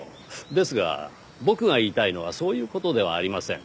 ですが僕が言いたいのはそういう事ではありません。